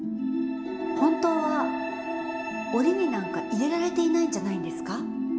本当は檻になんか入れられていないんじゃないんですか？